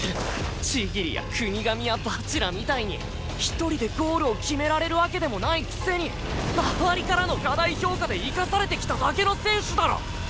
千切や國神や蜂楽みたいに一人でゴールを決められるわけでもないくせに周りからの過大評価で生かされてきただけの選手だろ！